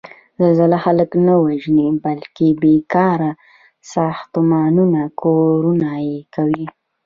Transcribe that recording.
زلزله خلک نه وژني، بلکې بېکاره ساختمانونه کورنه یې کوي.